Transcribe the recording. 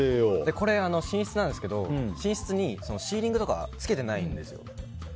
これ、寝室なんですけど寝室にシーリングとかつけてないんですよ。